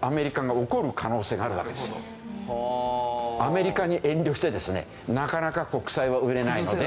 アメリカに遠慮してですねなかなか国債は売れないので。